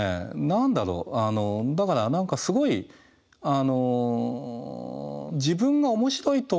何だろうだから何かすごい自分が面白いと思う